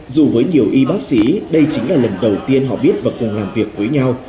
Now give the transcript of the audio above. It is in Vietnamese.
dù với nhiều y bác sĩ đây chính là lần đầu tiên họ biết và cùng làm việc với nhau